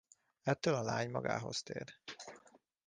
Ettől a lány magához tér.